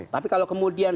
tapi kalau kemudian